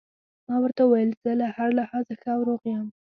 ما ورته وویل: زه له هر لحاظه ښه او روغ یم.